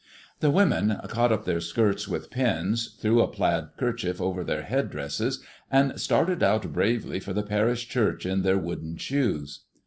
The women caught up their skirts with pins, threw a plaid kerchief over their head dresses, and started out bravely for the parish church in their wooden shoes.